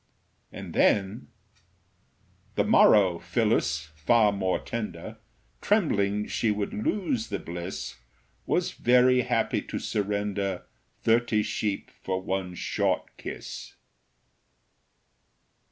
And then The morrow, Phyllis, far more tender, Trembling she would lose the bliss, Was very happy to surrender Thirty sheep for one short kiss.